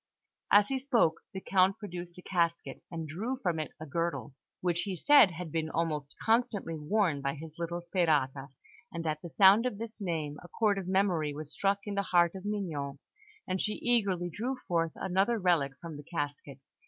As he spoke, the Count produced a casket, and drew from it a girdle, which he said had been almost constantly worn by his little Sperata; and at the sound of this name, a chord of memory was struck in the heart of Mignon, and she eagerly drew forth another relic from the casket.